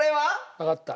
わかった。